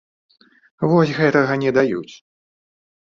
Вось гэтага не даюць.